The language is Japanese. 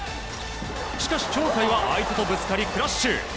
しかし相手とぶつかりクラッシュ。